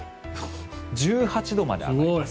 １８度まで上がるんです。